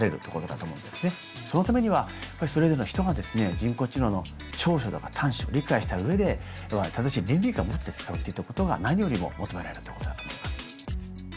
そのためにはそれぞれの人がですね人工知能の長所とか短所を理解した上で正しい倫理観を持って使うといったことが何よりも求められるってことだと思います。